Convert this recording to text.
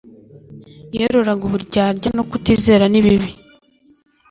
Yerurag uburyarya no kutizera nibibi